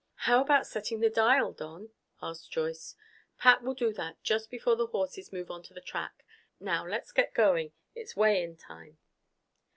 "How about setting the dial, Don?" asked Joyce. "Pat will do that just before the horses move onto the track. Now let's get going. It's weigh in time."